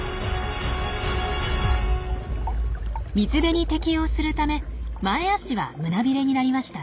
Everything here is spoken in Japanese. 水辺に適応するため前足は胸びれになりました。